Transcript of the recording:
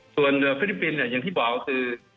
ส่วนฝรีปินเนี่ยอย่างที่บอกคือ